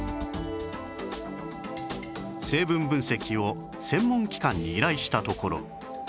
成分分析を専門機関に依頼したところ